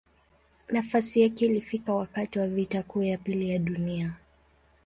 Nafasi yake alifika wakati wa Vita Kuu ya Pili ya Dunia.